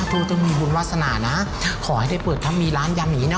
ตู้ต้องมีบุญวาสนานะขอให้ได้เปิดถ้ามีร้านยำอย่างนี้เนอ